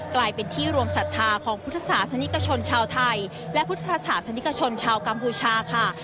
กลายเป็นที่รวมศรัทธาของพุทธศาสนิกชนชาวไทยและพุทธศาสนิกชนชาวกัมพูชาค่ะ